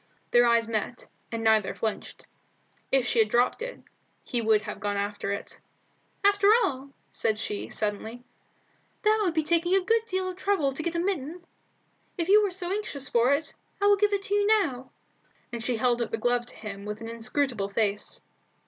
Their eyes met, and neither flinched. If she had dropped it, he would have gone after it. "After all," she said, suddenly, "that would be taking a good deal of trouble to get a mitten. If you are so anxious for it, I will give it to you now;" and she held out the glove to him with an inscrutable face.